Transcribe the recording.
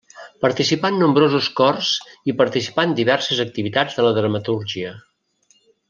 Participà en nombrosos cors i participà en diverses activitats de la dramatúrgia.